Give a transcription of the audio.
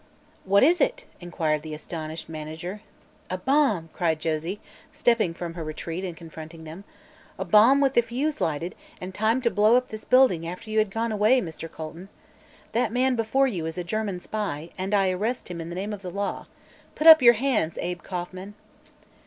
"What is it?" inquired the astonished manager. "A bomb!" cried Josie, stepping from her retreat and confronting them. "A bomb with the fuse lighted, and timed to blow up this building after you had gone away, Mr. Colton. That man before you is a German spy, and I arrest him in the name of the law. Put up your hands, Abe Kauffman!"